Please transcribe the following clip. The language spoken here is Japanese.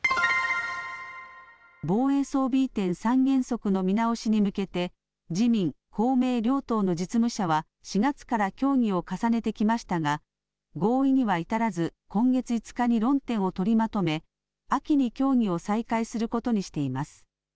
防衛装備移転三原則の見直しに向けて自民公明両党の実務者は４月から協議を重ねてきましたが合意には至らず今月５日に論点を取りまとめ秋に協議を再開することにしています。